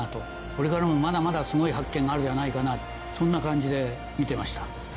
これからもまだまだすごい発見があるんじゃないかなそんな感じで見てました。